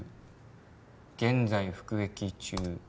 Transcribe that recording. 「現在服役中」